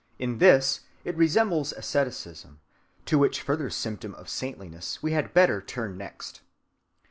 In this it resembles Asceticism, to which further symptom of saintliness we had better turn next.